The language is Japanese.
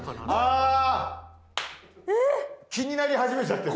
あ気になり始めちゃってる。